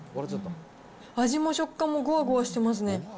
味も食感もごわごわしてますね。